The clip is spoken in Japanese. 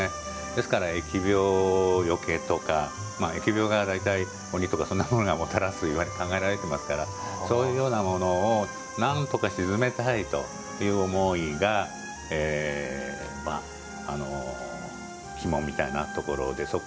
ですから、疫病除けとか疫病が大体、鬼とかそういうものをもたらすと考えられていますからそういうものをなんとか鎮めたいという思いが鬼門みたいなところで。